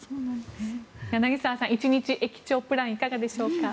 柳澤さん、１日駅長プランいかがでしょうか。